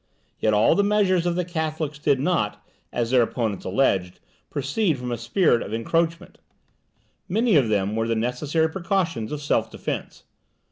Yet all the measures of the Catholics did not, as their opponents alleged, proceed from a spirit of encroachment many of them were the necessary precautions of self defence.